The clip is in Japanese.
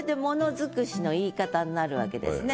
づくしの言い方になるわけですね。